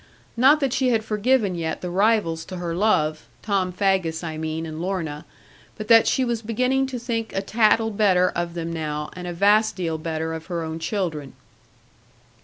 Not that she had forgiven yet the rivals to her love Tom Faggus, I mean, and Lorna but that she was beginning to think a tattle better of them now, and a vast deal better of her own children.